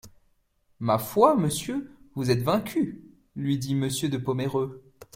Ma foi, monsieur, vous êtes vaincu, lui dit Monsieur de Pomereux.